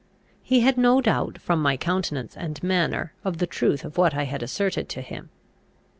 He had no doubt, from my countenance and manner, of the truth of what I had asserted to him.